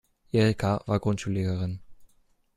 Erika war Grundschullehrerin.